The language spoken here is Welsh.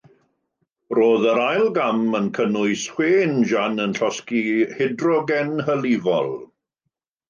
Roedd yr ail gam yn cynnwys chwe injan yn llosgi hydrogen hylifol.